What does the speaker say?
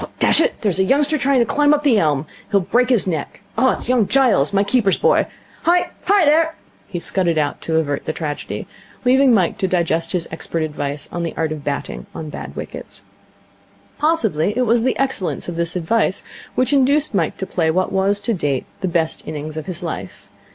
Dash it, there's a youngster trying to climb up the elm. He'll break his neck. It's young Giles, my keeper's boy. Hi! Hi, there!' He scudded out to avert the tragedy, leaving Mike to digest his expert advice on the art of batting on bad wickets. Possibly it was the excellence of this advice which induced Mike to play what was, to date, the best innings of his life.